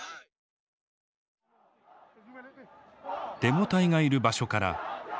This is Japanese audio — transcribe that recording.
デモ隊がいる場所から画面の奥